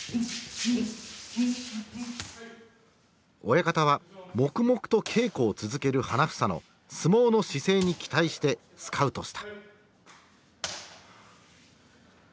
親方は黙々と稽古を続ける花房の相撲の姿勢に期待してスカウトした。